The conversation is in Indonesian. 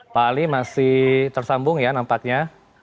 pak ali masih tersambung ya nampaknya